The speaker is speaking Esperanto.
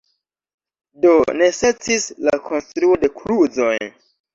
Do necesis la konstruo de kluzoj.